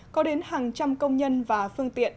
có đến hàng trăm công nhân và phương tiện